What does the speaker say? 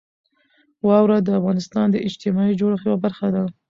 واوره د افغانستان د اجتماعي جوړښت یوه برخه ده.